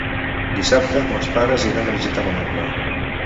Dissabte mons pares iran a visitar mon oncle.